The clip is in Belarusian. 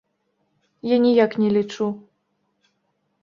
Я ніяк не лічу.